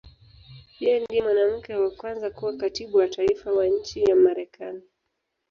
Yeye ndiye mwanamke wa kwanza kuwa Katibu wa Taifa wa nchi ya Marekani.